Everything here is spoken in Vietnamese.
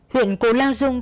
huyện cô lao dung